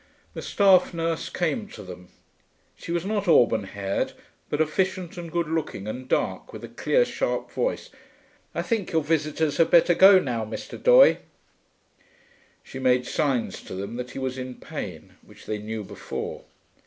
The staff nurse came to them. She was not auburn haired, but efficient and good looking and dark, with a clear, sharp voice. 'I think your visitors had better go now, Mr. Doye.' She made signs to them that he was in pain, which they knew before.